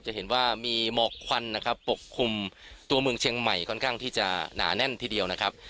จะเห็นว่ามีหมอกควันนะครับปกคลุมตัวเมืองเชียงใหม่ค่อนข้างที่จะหนาแน่นทีเดียวนะครับ